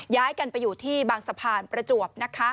ย้ายกันไปอยู่ที่บางสะพานประจวบนะคะ